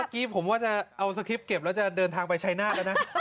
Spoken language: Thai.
กี้ผมว่าจะเอาสคริปเก็บแล้วจะเดินทางไปชัยนาธแล้วนะ